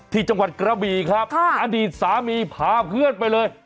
ที่จังหวัดกระบีครับอดีตสามีพาเพื่อนไปเลย